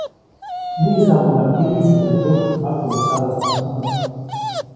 Niʼisamuŋnaʼak ji ʼyisi teʼ tuk makubä tsabasnasomo.